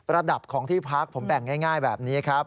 ระดับของที่พักผมแบ่งง่ายแบบนี้ครับ